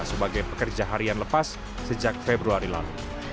sebagai pekerja harian lepas sejak februari lalu